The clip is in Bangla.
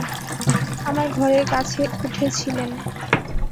আমার ঘরে, গাছে উঠছিলেন।